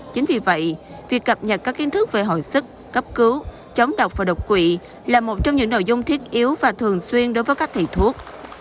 chính vì vậy việc cập nhật các kiến thức về hồi sức cấp cứu chống độc và độc quỷ là một trong những nội dung thiết yếu và thường xuyên đối với các thầy thuốc